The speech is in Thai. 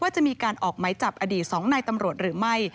จะมีการออกไหมจับอดีต๒นายตำรวจหรือไม่